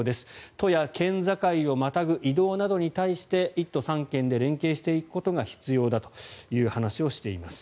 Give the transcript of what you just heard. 都や県境をまたぐ移動などに対して１都３県で連携していくことが必要だという話をしています。